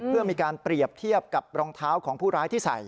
เพื่อมีการเปรียบเทียบกับรองเท้าของผู้ร้ายที่ใส่